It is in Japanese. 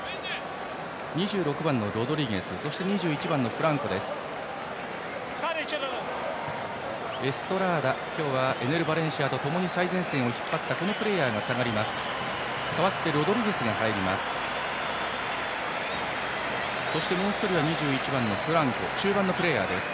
２６番のロドリゲス２１番のフランコです。